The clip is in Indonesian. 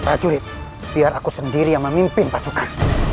prajurit biar aku sendiri yang memimpin pasukan